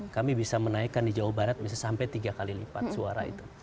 kami bisa menaikkan di jawa barat bisa sampai tiga kali lipat suara itu